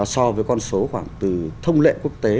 so với con số khoảng từ thông lệ quốc tế